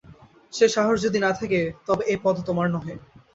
সে সাহস যদি না থাকে তবে এ পদ তোমার নহে।